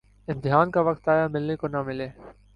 امتحان کا وقت آیا‘ ملنے کو نہ ملے۔